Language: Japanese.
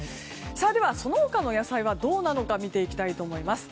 その他の野菜はどうなのか見ていきたいと思います。